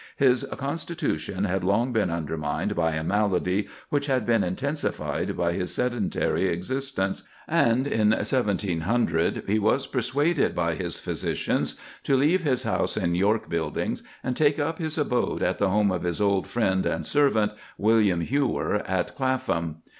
His constitution had long been undermined by a malady which had been intensified by his sedentary existence, and in 1700 he was persuaded by his physicians to leave his house in York Buildings and take up his abode at the home of his old friend and servant, William Hewer, at Clapham.